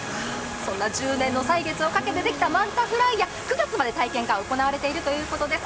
そんな１０年の歳月をかけてできたマンタフライヤー、９月まで体験が行われているということです。